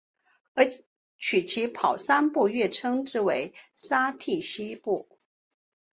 而取其跑三步跃称之为沙蒂希步。